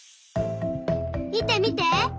みてみて。